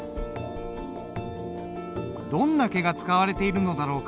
どんな毛が使われているのだろうか。